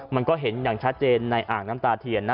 มันก็เห็นอย่างชัดเจนในอ่างน้ำตาเทียนนะ